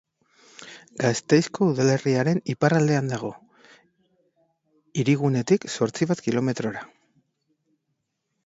Gasteizko udalerriaren iparraldean dago, hirigunetik zortzi bat kilometrora.